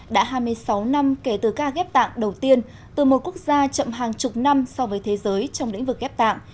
đã hai mươi sáu năm kể từ ca ghép tạng đầu tiên từ một quốc gia chậm hàng chục năm so với thế giới trong lĩnh vực ghép tạng